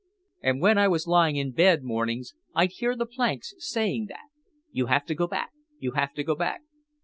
And when I was lying in bed mornings I'd hear the planks saying that— You have to go back, You have to go back.